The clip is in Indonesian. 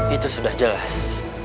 itu sudah jelas